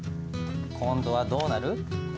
今度はどうなる？